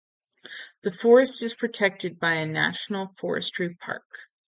The forest is protected by a national forestry park.